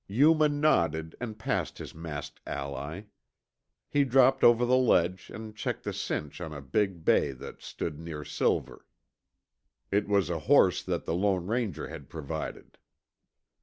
Yuma nodded and passed his masked ally. He dropped over the ledge and checked the cinch on a big bay that stood near Silver. It was a horse that the Lone Ranger had provided.